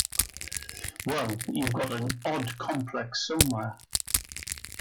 Well, you've got an odd complex somewhere.